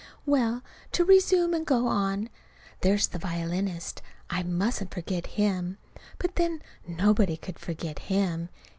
Well, to resume and go on. There's the violinist. I mustn't forget him. But, then, nobody could forget him.